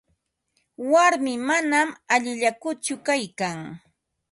Warmii manam allillakutsu kaykan.